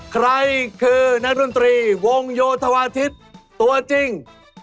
ใครคือนักดนตรีวงโยธวาทิศตัวจริง